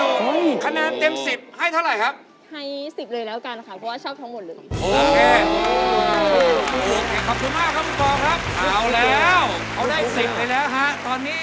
โอ้โฮฟิวฟิวชั่นจริงอืม